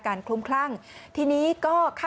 ตายแพ้แล้วนะ